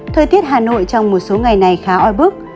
thời tiết hà nội trong một số ngày này khá oi bức